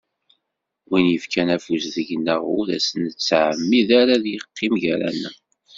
Win yefkan afus deg-neɣ ur as-nettɛemmid ara ad yeqqim gar-aneɣ.